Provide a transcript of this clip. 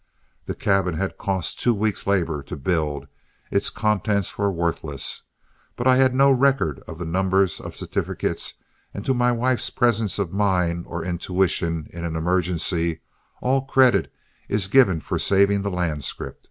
The cabin had cost two weeks' labor to build, its contents were worthless, but I had no record of the numbers of the certificates, and to my wife's presence of mind or intuition in an emergency all credit is given for saving the land scrip.